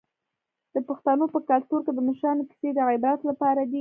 د پښتنو په کلتور کې د مشرانو کیسې د عبرت لپاره دي.